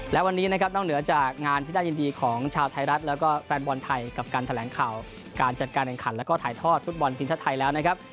และวันนี้นะครับนอกเหนือจากงานที่น่ายินดีของชาวไทยรัฐแล้วก็แฟนบอลไทยกับการแถลงข่าวการจัดการแห่งขันแล้วก็ถ่ายทอดฟุตบอลทีมชาติไทยแล้วนะครับ